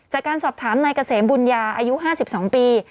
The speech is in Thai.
จากการสอบถามนายเกษมบุญญาอายุ๕๒ปี